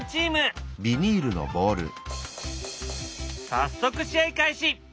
早速試合開始！